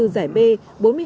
hai mươi bốn giải b